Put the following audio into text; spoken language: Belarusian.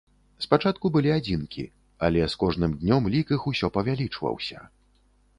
Спачатку былі адзінкі, але з кожным днём лік іх усё павялічваўся.